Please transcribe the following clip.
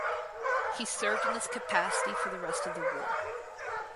He served in this capacity for the rest of the War.